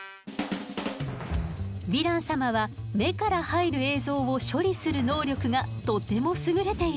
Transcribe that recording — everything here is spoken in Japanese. ヴィラン様は目から入る映像を処理する能力がとてもすぐれているの。